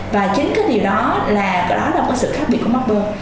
và chính cái điều đó là đó là một sự khác biệt của mapper